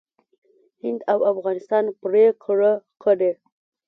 هند او افغانستان پرېکړه کړې